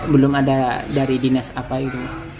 belum ada dari dinas apa itu